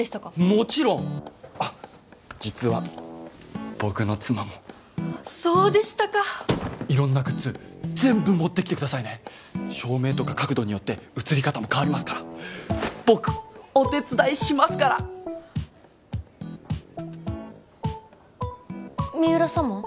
もちろんあっ実は僕の妻もそうでしたか色んなグッズ全部持ってきてくださいね照明とか角度によって写り方も変わりますから僕お手伝いしますから三浦様？